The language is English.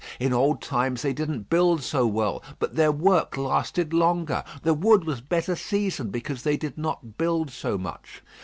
In old times they didn't build so well, but their work lasted longer; the wood was better seasoned, because they did not build so much.